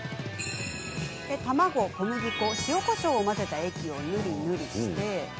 卵、小麦粉、塩、こしょうを混ぜた液を、ぬりぬり。